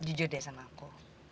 jujur deh sama aku